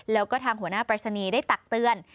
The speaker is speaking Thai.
แล้วก็ทางหัวหน้าปรายศนีย์ได้ตักเตือน